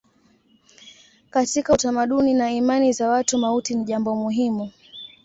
Katika utamaduni na imani za watu mauti ni jambo muhimu.